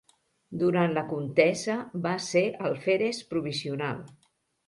Durant la contesa va ser alferes provisional.